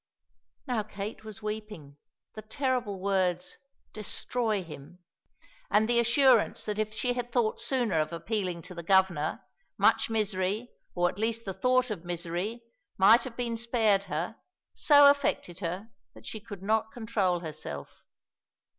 Now Kate was weeping; the terrible words "destroy him," and the assurance that if she had thought sooner of appealing to the Governor, much misery, or at least the thought of misery, might have been spared her, so affected her that she could not control herself.